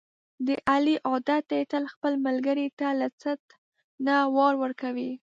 د علي عادت دی، تل خپل ملګري ته له څټ نه وار ورکوي.